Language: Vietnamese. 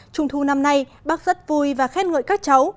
trung thu năm nay bác rất vui và khen ngợi các cháu